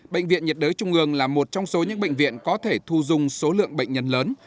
bệnh viện nhiệt đới trung ương là một trong số những bệnh viện có thể thu dung số lượng bệnh nhân lớn